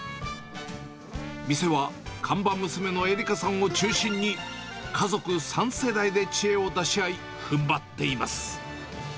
店は看板娘の絵里香さんを中心に、家族３世代で知恵を出し合い、ふんばっています。